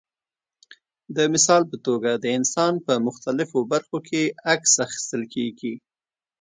د مثال په توګه د انسان په مختلفو برخو کې عکس اخیستل کېږي.